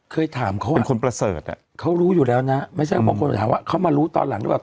เคยถามเขาว่าเป็นคนประเสริฐอ่ะเขารู้อยู่แล้วนะไม่ใช่บางคนถามว่าเขามารู้ตอนหลังหรือเปล่า